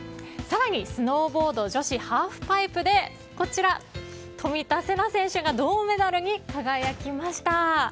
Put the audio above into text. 更にスノーボード女子ハーフパイプで冨田せな選手が銅メダルに輝きました。